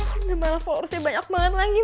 aduh malah followersnya banyak banget lagi